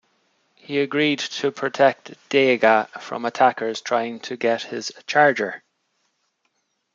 He agreed to protect Dega from attackers trying to get his charger.